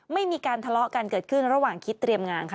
ไม่มีการทะเลาะกันเกิดขึ้นระหว่างคิดเตรียมงานค่ะ